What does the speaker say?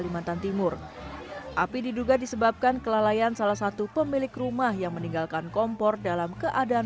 menganggapkan kelalaian salah satu pemilik rumah yang meninggalkan kompor dalam keadaan